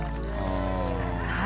はい。